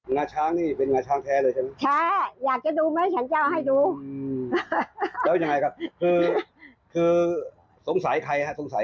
งาช้างนี่เป็นงาช้างแท้เลยใช่มะ